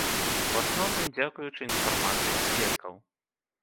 У асноўным дзякуючы інфармацыі сведкаў.